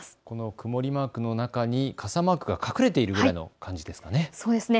曇りマークの中に傘マークが隠れているような感じですかね。